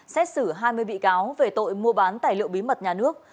xét xử hai mươi bị cáo về tội mua bán tài liệu bí mật nhà nước